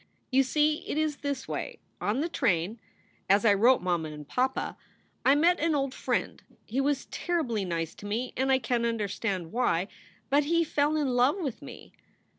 You see it is this way on the train as I wrote Mamma and Papa I met an old friend he was terribly nice to me and I cant understand why but he fell in love with me.